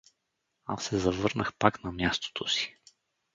Аз се завърнах пак на мястото си.